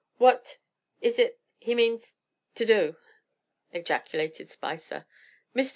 "What is it he means to do?" ejaculated Spicer. "Mr.